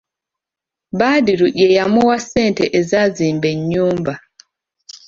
Badru ye yamuwa ssente ezazimba ennyumba.